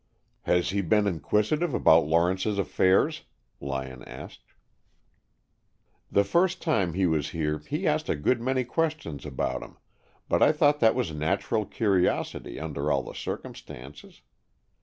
"Has he been inquisitive about Lawrence's affairs?" Lyon asked. "The first time he was here he asked a good many questions about him, but I thought that was natural curiosity under all the circumstances.